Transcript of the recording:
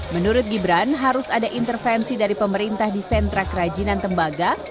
menurut gibran harus ada intervensi dari pemerintah di sentra kerajinan tembaga